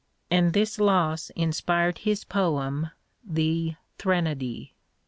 " and this loss inspired his poem, the " Threnody."